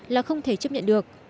là không thể chấp nhận được